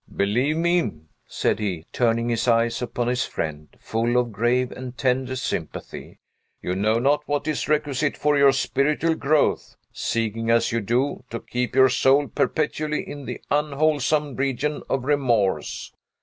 "Believe me," said he, turning his eyes upon his friend, full of grave and tender sympathy, "you know not what is requisite for your spiritual growth, seeking, as you do, to keep your soul perpetually in the unwholesome region of remorse.